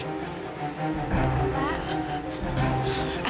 apa yang kamu lakukan